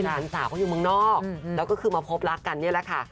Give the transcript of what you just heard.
หลานสาวเขาอยู่เมืองนอกแล้วก็คือมาพบรักกันนี่แหละค่ะ